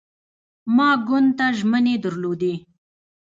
ما ګوند ته ژمنې درلودې.